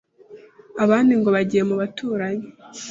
abandi ngo bagiye mu baturanyi”